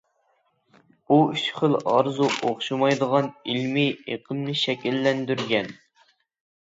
بۇ ئۈچ خىل ئارزۇ ئوخشىمايدىغان ئىلمىي ئېقىمنى شەكىللەندۈرگەن.